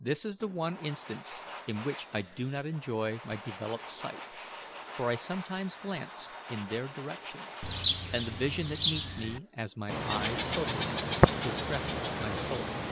This is the one instance in which I do not enjoy my developed sight, for I sometimes glance in their direction, and the vision that meets me, as my eyes focus, distresses my soul.